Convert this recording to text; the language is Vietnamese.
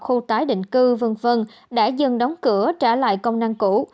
khu tái định cư v v đã dần đóng cửa trả lại công năng cũ